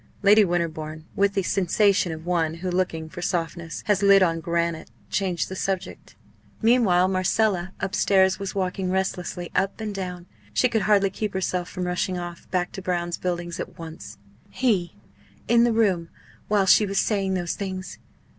Lady Winterbourne, with the sensation of one who, looking for softness, has lit on granite, changed the subject. Meanwhile, Marcella upstairs was walking restlessly up and down. She could hardly keep herself from rushing off back to Brown's Buildings at once. He in the room while she was saying those things!